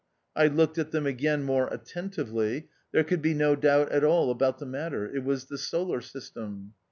I looked at them again more attentively, — there could be no doubt at all about the matter, — it was the Solar System.